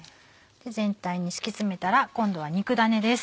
全体に敷き詰めたら今度は肉だねです。